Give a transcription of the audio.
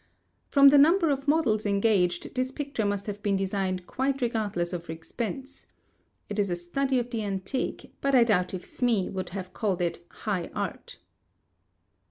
From the number of models engaged, this picture must have been designed quite regardless of expense. It is a study of the Antique, but I doubt if Smee would have called it High Art.